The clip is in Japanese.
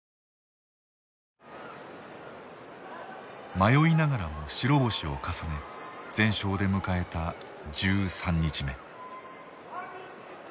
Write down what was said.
迷いながらも白星を重ね全勝で迎えた１３日目。